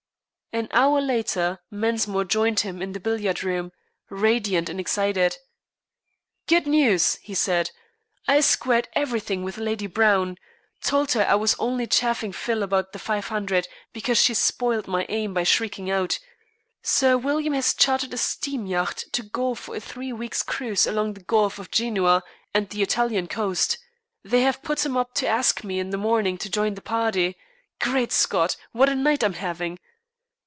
An hour later Mensmore joined him in the billiard room, radiant and excited. "Great news," he said. "I squared everything with Lady Browne. Told her I was only chaffing Phil about the five hundred, because she spoiled my aim by shrieking out. Sir William has chartered a steam yacht to go for a three weeks' cruise along the Gulf of Genoa and the Italian coast. They have put him up to ask me in the morning to join the party. Great Scott! what a night I'm having!"